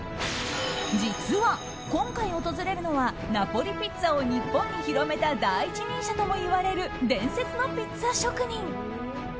実は、今回訪れるのはナポリピッツァを日本に広めた第一人者ともいわれる伝説のピッツァ職人。